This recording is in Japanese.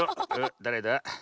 だれだ？